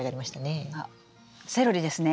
あセロリですね？